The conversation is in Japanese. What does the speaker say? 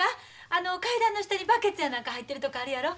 あの階段の下にバケツやなんか入ってるとこあるやろ。